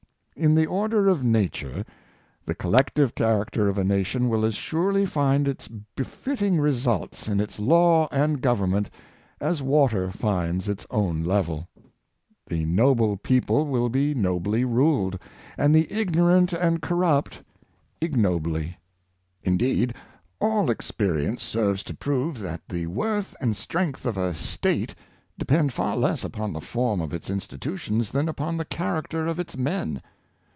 In the order of nature, the collective character of a nation will as surely find its befitting results in its law and gov ernment as water finds its own level. The noble people will be nobly ruled, and the ignorant and corrupt igno bly. Indeed, all experience serves to prove that the worth and strength of a State depend far less upon the form of its institutions than upon the character of its men.